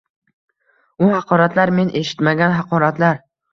U haqoratlar – men eshitmagan haqoratlar.